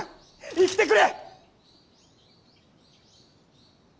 生きてくれ！